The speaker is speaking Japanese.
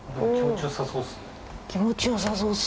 気持ちよさそうっす。